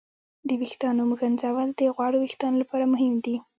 د ویښتانو ږمنځول د غوړو وېښتانو لپاره مهم دي.